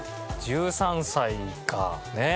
１３歳かねえ。